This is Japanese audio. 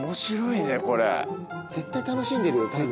絶対楽しんでるよたぬ。